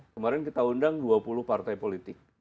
kemarin kita undang dua puluh partai politik